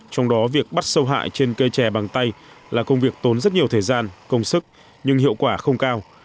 trong đó việc bắt sâu hại trên cây trẻ bằng tay là công việc tốn rất nhiều thời gian công sức nhưng hiệu quả không cao